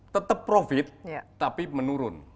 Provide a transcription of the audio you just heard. tetap profit tapi menurun